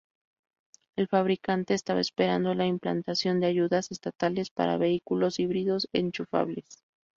El fabricante estaba esperando la implantación de ayudas estatales para vehículos híbridos enchufables.